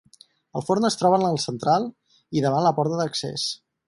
El forn es troba en el central i davant la porta d'accés.